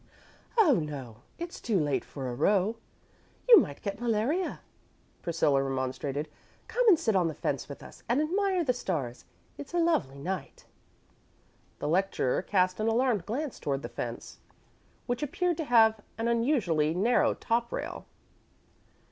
"Oh, no; it's too late for a row. You might get malaria," Priscilla remonstrated. "Come and sit on the fence with us and admire the stars; it's a lovely night." The lecturer cast an alarmed glance toward the fence, which appeared to have an unusually narrow top rail.